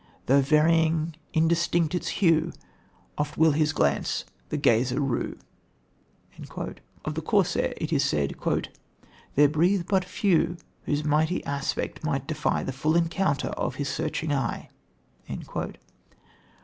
Though varying, indistinct its hue Oft will his glance the gazer rue." Of the Corsair, it is said: "There breathe but few whose aspect might defy The full encounter of his searching eye."